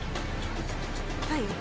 はい。